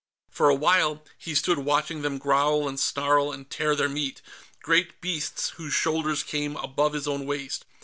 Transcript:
For a while, he stood watching them growl and snarl and tear their meat, great beasts whose shoulders came above his own waist.